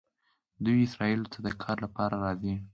دوی اسرائیلو ته د کار لپاره راځي.